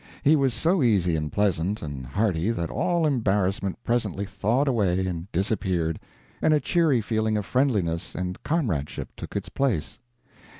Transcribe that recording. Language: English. He was so easy and pleasant and hearty that all embarrassment presently thawed away and disappeared, and a cheery feeling of friendliness and comradeship took its place.